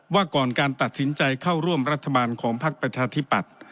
ว่าก่อนการตัดสินใจเข้าร่วมรัฐบาลของพักประชาธิปัตย์